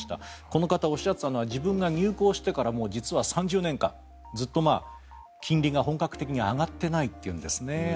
この方、おっしゃっていたのは自分が入行してから実は３０年間ずっと金利が本格的に上がっていないというんですね。